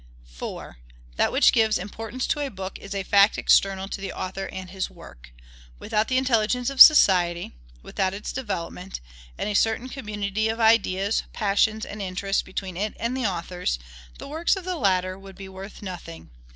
4. That which gives importance to a book is a fact external to the author and his work. Without the intelligence of society, without its development, and a certain community of ideas, passions, and interests between it and the authors, the works of the latter would be worth nothing.